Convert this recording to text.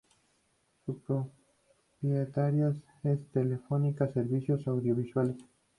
Su propietaria es Telefónica Servicios Audiovisuales.